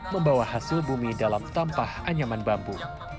membawa hasil bumi dalam tampah anyaman bambu